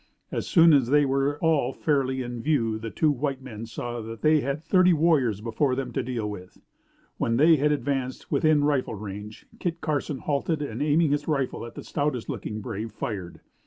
As soon as they were all fairly in view the two white men saw that they had thirty warriors before them to deal with. When they had advanced within rifle range Kit Carson halted and, aiming his rifle at the stoutest looking brave, fired.